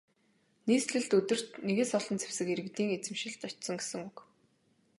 Нийслэлд өдөрт нэгээс олон зэвсэг иргэдийн эзэмшилд очсон гэсэн үг.